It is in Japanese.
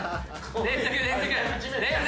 連続連続。